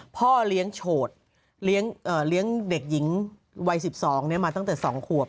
พ่อเลี้ยงโฉดเลี้ยงเด็กหญิงวัย๑๒มาตั้งแต่๒ขวบ